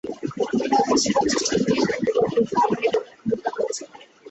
বিনয় হাসিবার চেষ্টা করিয়া কহিল, বৃথা আপনি এতটা ভূমিকা করছেন।